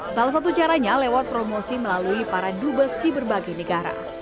salah satu caranya lewat promosi melalui para dubes di berbagai negara